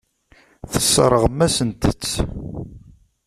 Tesseṛɣem-asent-t.